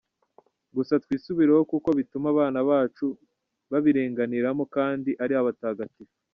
Gusa twisubireho kuko bituma abana bacu babirenganiramo kandi ari abatagatifu.